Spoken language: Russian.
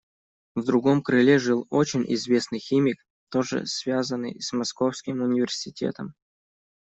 В другом крыле жил очень известный химик, тоже связанный с Московским университетом.